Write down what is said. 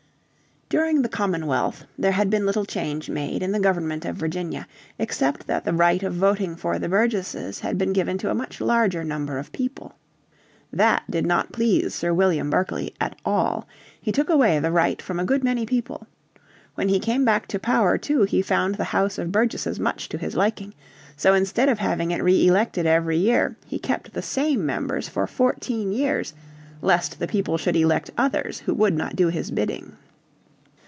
During the Commonwealth there had been little change made in the government of Virginia, except that the right of voting for the Burgesses had been given to a much larger number of people. That did not please Sir William Berkeley at all. He took away the right from a good many people. When he came back to power too he found the House of Burgesses much to his liking. So instead of having it re elected every year he kept the same members for fourteen years lest the people should elect others who would not do his bidding.